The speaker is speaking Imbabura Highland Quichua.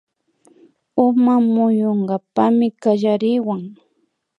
Uma muyunkapakmi kallariwan